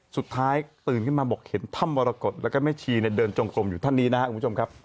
สุดท้ายตื่นขึ้นมาบอกเห็นถ้ำมรกฏแล้วก็แม่ชีเนี่ยเดินจงกลมอยู่ท่านนี้นะครับคุณผู้ชมครับ